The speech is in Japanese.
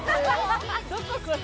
どここれ。